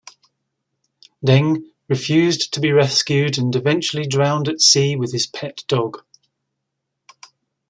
Deng refused to be rescued and eventually drowned at sea with his pet dog.